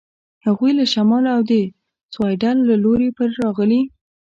هغوی له شمال او د سیوایډل له لوري پر راغلي.